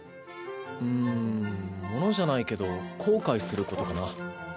うん物じゃないけど後悔することかな。